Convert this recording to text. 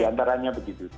di antaranya begitu